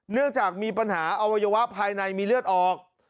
เนื่องจากมีปัญหาอวัยวะภายในมีเลือดออก